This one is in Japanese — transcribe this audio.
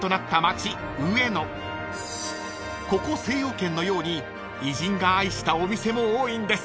［ここ精養軒のように偉人が愛したお店も多いんです］